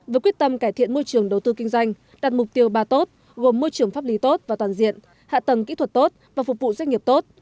với quyết tâm cải thiện môi trường đầu tư kinh doanh đặt mục tiêu ba tốt gồm môi trường pháp lý tốt và toàn diện hạ tầng kỹ thuật tốt và phục vụ doanh nghiệp tốt